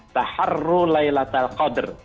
taharrul laylatul qadr